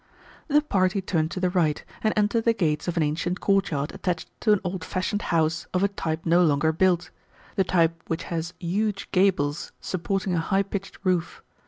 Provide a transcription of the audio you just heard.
The party turned to the right, and entered the gates of an ancient courtyard attached to an old fashioned house of a type no longer built the type which has huge gables supporting a high pitched roof.